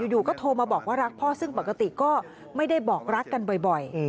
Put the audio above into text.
อยู่ก็โทรมาบอกว่ารักพ่อซึ่งปกติก็ไม่ได้บอกรักกันบ่อย